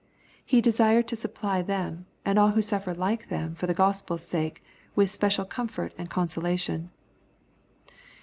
Ho desired to supply them, and all who suffer like them for the Gospel's sake, with special comfort and consolation.